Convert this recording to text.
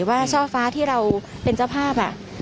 ว่าช่อฟ้าที่เราเป็นเจ้าภาพ